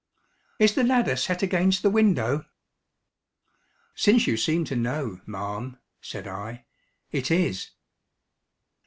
"Is the ladder set against the window?" "Since you seem to know, ma'am," said I, "it is."